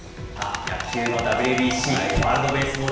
野球のＷＢＣ・ワールドベースボール